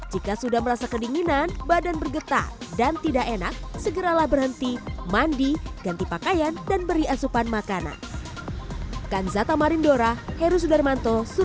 jika sudah merasa kedinginan badan bergetar dan tidak enak segeralah berhenti mandi ganti pakaian dan beri asupan makanan